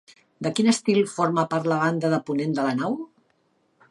De quin estil forma part la banda de ponent de la nau?